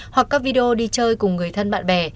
hoặc các video đi chơi cùng người thân bạn bè